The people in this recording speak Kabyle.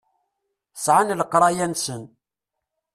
Sɛan leqraya-nsen.